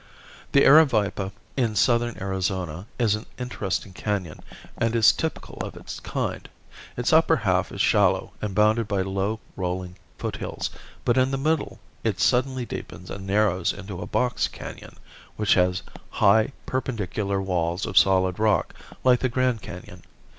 The Aravaipa in southern Arizona is an interesting canon and is typical of its kind. Its upper half is shallow and bounded by low rolling foothills, but in the middle it suddenly deepens and narrows into a box canon, which has high perpendicular walls of solid rock like the Grand Canon.